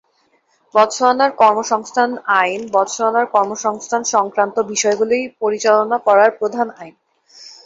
বতসোয়ানার কর্মসংস্থান আইন বতসোয়ানায় কর্মসংস্থান-সংক্রান্ত বিষয়গুলি পরিচালনা করার প্রধান আইন।